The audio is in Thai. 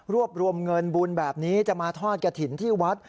รวมเงินบุญแบบนี้จะมาทอดกระถิ่นที่วัด